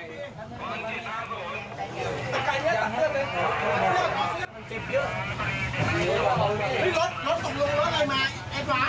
อ่ะหนูหนูน่าขึ้นหน่อย